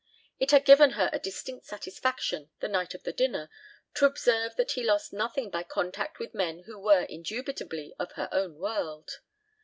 It had given her a distinct satisfaction, the night of the dinner, to observe that he lost nothing by contact with men who were indubitably of her own world.